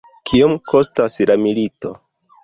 Kiom kostas la milito?